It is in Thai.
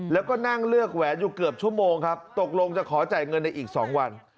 แล้วก็นั่งเลือกแหวนอยู่เกือบชั่วโมงครับตกลงจะขอจ่ายเงินในอีก๒วัน